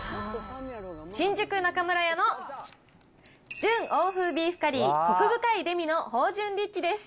新宿中村屋の純欧風ビーフカリーコク深いデミの芳醇リッチです。